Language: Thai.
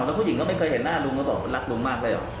อ๋อแล้วผู้หญิงเขาไม่เคยเห็นหน้าลุงแล้วบอกรักลุงมากเลยเหรอ